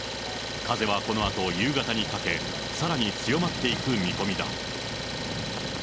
風はこのあと夕方にかけ、さらに強まっていく見込みだ。